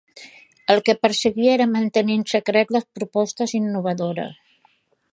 El que perseguia era mantenir en secret les propostes innovadores.